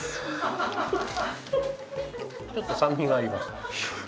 ちょっと酸味がありますね。